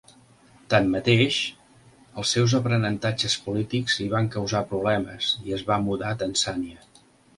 Tanmateix, els seus aprenentatges polítics li van causar problemes i es va mudar a Tanzània.